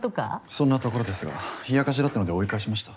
そんなところですが冷やかしだったので追い返しました。